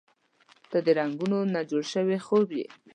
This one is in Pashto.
• ته د رنګونو نه جوړ شوی خوب یې.